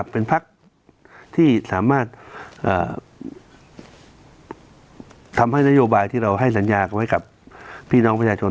เป็นพักที่สามารถทำให้นโยบายที่เราให้สัญญาไว้กับพี่น้องประชาชน